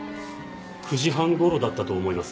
９時半頃だったと思います。